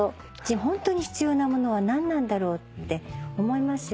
ホントに必要なものは何なんだろう？って思いますよね。